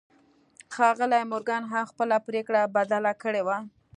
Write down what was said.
ښاغلي مورګان هم خپله پرېکړه بدله کړې وه.